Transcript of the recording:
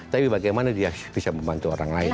tapi bagaimana dia bisa membantu orang lain